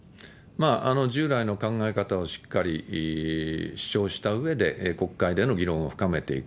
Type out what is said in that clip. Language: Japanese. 従来の考え方をしっかり主張したうえで、国会での議論を深めていく。